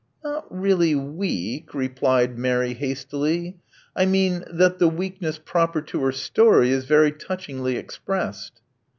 Not really weak," replied Mary hastily. I mean that the weakness proper to her story is very touch ingly expressed."